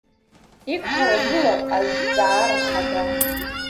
Иқәҳаргылап азҵаара хада.